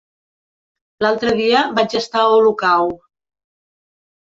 L'altre dia vaig estar a Olocau.